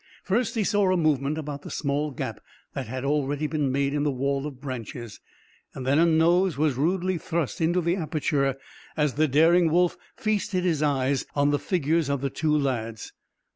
First he saw a movement about the small gap that had already been made in the wall of branches. Then a nose was rudely thrust into the aperture, as the daring wolf feasted his eyes on the figures of the two lads.